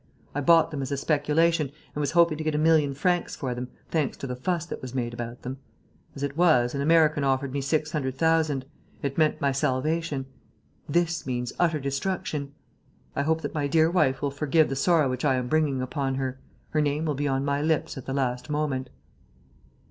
I bought them as a speculation and was hoping to get a million francs for them, thanks to the fuss that was made about them. As it was, an American offered me six hundred thousand. It meant my salvation. This means utter destruction. "I hope that my dear wife will forgive the sorrow which I am bringing upon her. Her name will be on my lips at the last moment."